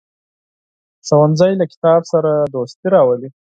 ښوونځی له کتاب سره دوستي راولي